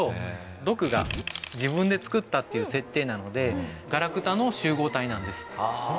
ドクが自分で作ったっていう設定なのでガラクタの集合体なんです。